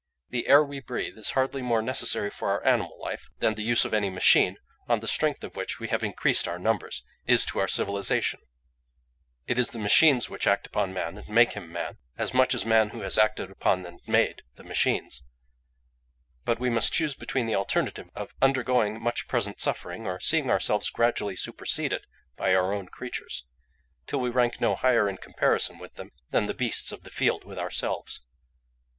The air we breathe is hardly more necessary for our animal life than the use of any machine, on the strength of which we have increased our numbers, is to our civilisation; it is the machines which act upon man and make him man, as much as man who has acted upon and made the machines; but we must choose between the alternative of undergoing much present suffering, or seeing ourselves gradually superseded by our own creatures, till we rank no higher in comparison with them, than the beasts of the field with ourselves.